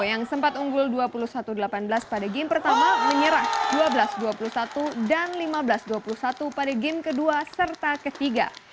yang sempat unggul dua puluh satu delapan belas pada game pertama menyerah dua belas dua puluh satu dan lima belas dua puluh satu pada game kedua serta ketiga